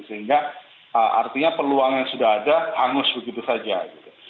sehingga artinya peluang yang sudah ada hangus begitu saja gitu